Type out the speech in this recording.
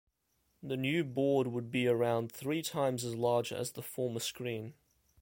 The new board would be around three times as large as the former screen.